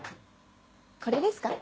これですか？